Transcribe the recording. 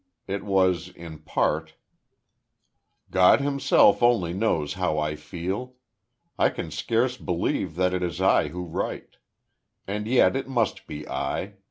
It was, in part: "... God himself only knows how I feel. I can scarce believe that it is I who write. And yet it must be I.